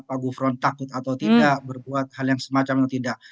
pak gufron takut atau tidak berbuat hal yang semacam atau tidak